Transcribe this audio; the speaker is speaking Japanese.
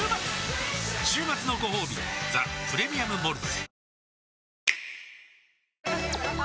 週末のごほうび「ザ・プレミアム・モルツ」